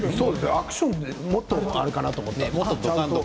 アクションがもっとあるかなと。